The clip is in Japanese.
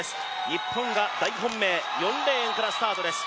日本が大本命、４レーンからスタートです。